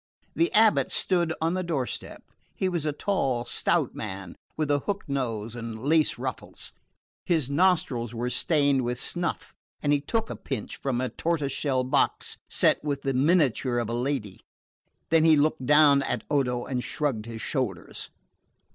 The abate stood on the doorstep. He was a tall stout man with a hooked nose and lace ruffles. His nostrils were stained with snuff and he took a pinch from a tortoise shell box set with the miniature of a lady; then he looked down at Odo and shrugged his shoulders.